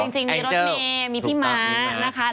จริงมีรถแม่มีพี่มาส